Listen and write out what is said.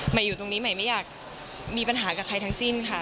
อยู่ตรงนี้ใหม่ไม่อยากมีปัญหากับใครทั้งสิ้นค่ะ